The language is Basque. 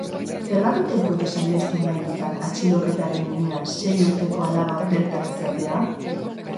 Zergatik ez dute saihestu nahi izan atxiloketaren unean sei urteko alaba bertan izatea?